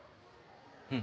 うん。